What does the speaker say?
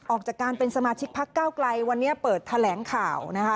ออกจากการเป็นสมาชิกพักเก้าไกลวันนี้เปิดแถลงข่าวนะคะ